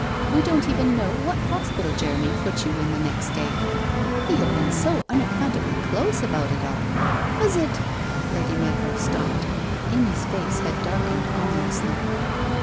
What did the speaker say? We don't even know what hospital Jeremy put you in that next day? He had been so unaccountably close about it all. Was it ' Lady Meadrow stopped. Amy's face had darkened ominously.